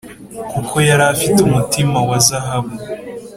kuko yari afite umutima wa zahabu.